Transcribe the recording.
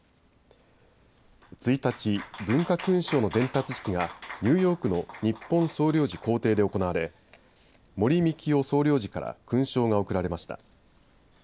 １日、文化勲章の伝達式がニューヨークの日本総領事公邸で行われ、森美樹夫総領事から勲章が贈られました。